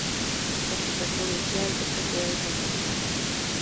Su capital provincial es la ciudad de San Fernando.